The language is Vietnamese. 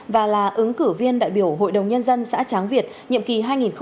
và là ứng cử viên đại biểu hội đồng nhân dân xã tráng việt nhiệm kỳ hai nghìn hai mươi một hai nghìn hai mươi sáu